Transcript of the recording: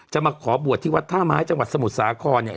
มาขอบวชที่วัดท่าไม้จังหวัดสมุทรสาครเนี่ย